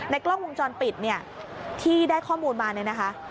กล้องวงจรปิดเนี่ยที่ได้ข้อมูลมาเนี่ยนะคะ